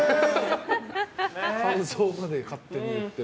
感想まで勝手に言ってる。